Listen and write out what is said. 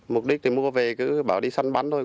mục đích thì mua về cứ bảo đi săn bắn thôi